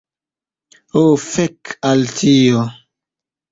Ho, fek' al tio!